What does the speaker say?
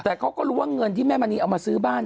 แต่เขาก็รู้ว่าเงินที่แม่มณีเอามาซื้อบ้าน